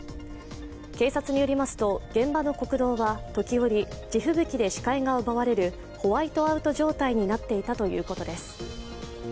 警察によりますと、現場の国道は時折、地吹雪で視界が奪われるホワイトアウト状態になっていたということです。